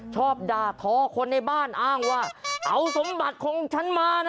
ชอบด่าทอคนในบ้านอ้างว่าเอาสมบัติของฉันมานะ